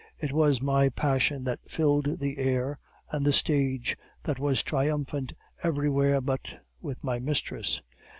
It was my passion that filled the air and the stage, that was triumphant everywhere but with my mistress.